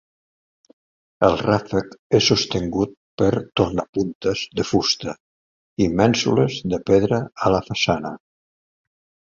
El ràfec és sostingut per tornapuntes de fusta i mènsules de pedra a la façana.